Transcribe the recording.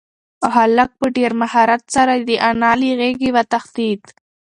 هلک په ډېر مهارت سره د انا له غېږې وتښتېد.